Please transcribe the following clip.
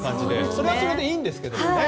それはそれでいいんですけどね。